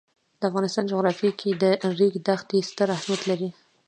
د افغانستان جغرافیه کې د ریګ دښتې ستر اهمیت لري.